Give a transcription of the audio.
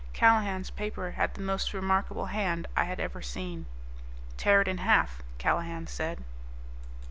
Callahan's paper had the most remarkable hand I had ever seen. "Tear it in half," Callahan said.